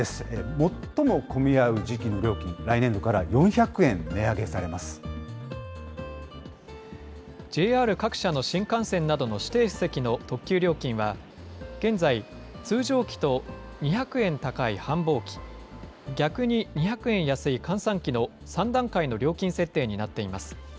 最も混み合う時期の料金、来年度ＪＲ各社の新幹線などの指定席の特急料金は、現在、通常期と２００円高い繁忙期、逆に２００円安い閑散期の３段階の料金設定になっています。